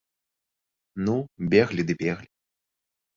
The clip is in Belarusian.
Ну, беглі ды беглі.